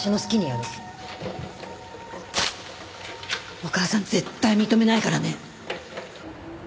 お母さん絶対認めないからね。